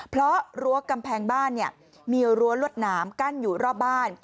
เพราะรั้วกำแพงบ้านมีรั้วรวดหนามกั้นอยู่รอบบ้าน